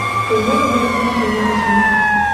Тумер йымал тунажым